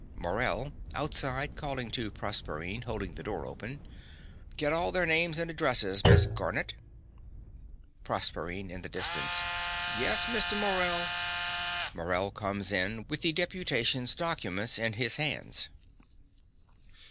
MORELL. (outside, calling to Proserpine, holding the door open). Get all their names and addresses, Miss Garnett. PROSERPINE (in the distance). Yes, Mr. Morell. (Morell comes in, with the deputation's documents in his hands.)